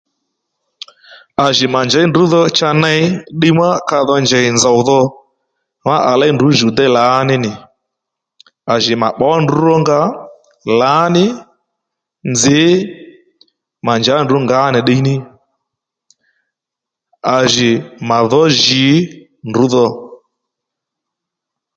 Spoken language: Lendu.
À jì mà njě ndrǔ dho cha ney ddiy ma ka dho njey nzòw dho má à léy ndrǔ djùw déy lǎní nì à jì mà bbǒ ndrǔ ró nga lǎ ní nzǐ mà njǎ ndrú ngǎ nì ddiy ní à jì mà dhǒ jǐ ndrǔ dho